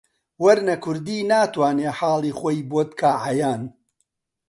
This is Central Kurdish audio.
وەرنە کوردی ناتوانێ حاڵی خۆی بۆت کا عەیان